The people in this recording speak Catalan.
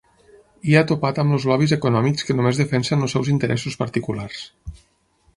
I ha topat amb els lobbies econòmics que només defensen els seus interessos particulars.